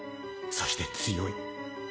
そして強い。